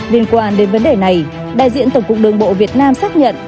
liên quan đến vấn đề này đại diện tổng cục đường bộ việt nam xác nhận